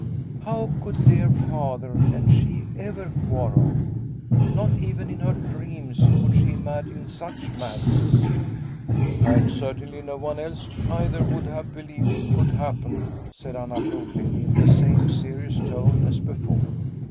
How could dear Father and she ever quarrel ? Not even in her dreams could she imagine such madness." " And certainly no one else either would have Snow White 4 1 believed it could happen," said Anna Brogren in the same serious tone as before.